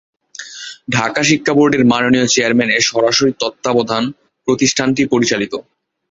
ঢাকা শিক্ষা বোর্ডের মাননীয় চেয়ারম্যানের সরাসরি তত্ত্বাবধান প্রতিষ্ঠানটি পরিচালিত।